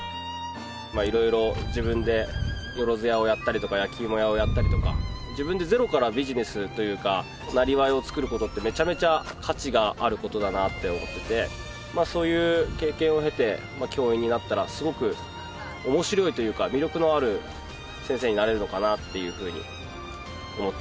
まあいろいろ自分でよろづやをやったりとか焼き芋屋をやったりとか自分でゼロからビジネスというかなりわいを作ることってめちゃめちゃ価値があることだなと思っていてまあそういう経験を経て教員になったらすごくおもしろいというか魅力のある先生になれるのかなっていうふうに思っています。